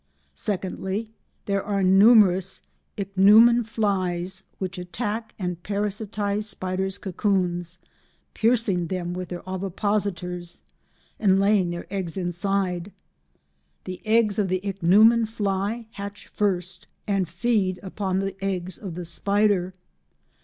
Secondly, there are numerous Ichneumon flies which attack and parasitise spiders' cocoons, piercing them with their ovipositors and laying their eggs inside. The eggs of the Ichneumon fly hatch first and feed upon the eggs of the spider.